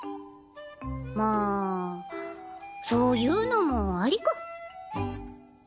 まぁそういうのもありか。